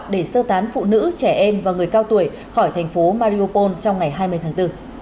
để sơ tán phụ nữ trẻ em và người cao tuổi khỏi thành phố mariopol trong ngày hai mươi tháng bốn